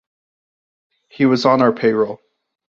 He was on our payroll.